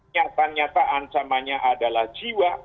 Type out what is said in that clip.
nyata nyata ancamannya adalah jiwa